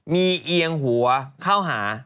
มีเอียงหัวเข้าหา